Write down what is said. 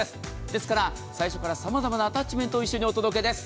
ですから最初から様々なアタッチメントを一緒にお届けです。